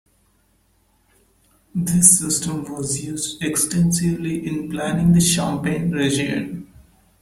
This system was used extensively in planting the Champagne region.